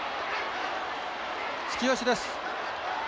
突き押しです。